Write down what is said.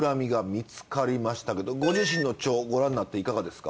ご自身の腸ご覧になっていかがですか？